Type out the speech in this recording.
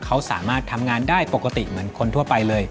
เขาสามารถทำงานได้ปกติเหมือนคนทั่วไปเลย